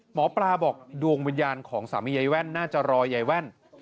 หมอปลาบอกดวงวิญญาณของสามียายแว่นน่าจะรอยายแว่น